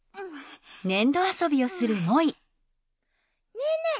ねえねえ